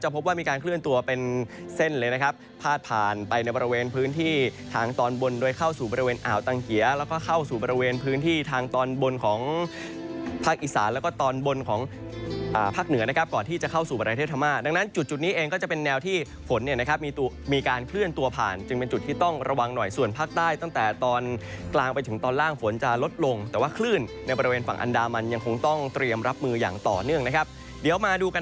ภาคอีสานแล้วก็ตอนบนของภาคเหนือนะครับก่อนที่จะเข้าสู่บริเทศธรรมะดังนั้นจุดนี้เองก็จะเป็นแนวที่ฝนมีการเคลื่อนตัวผ่านจึงเป็นจุดที่ต้องระวังหน่อยส่วนภาคใต้ตั้งแต่ตอนกลางไปถึงตอนล่างฝนจะลดลงแต่ว่าเคลื่อนในบริเวณฝั่งอันดามันยังคงต้องเตรียมรับมืออย่างต่อเนื่องนะครับเดี